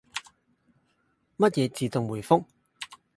乜嘢自動回覆？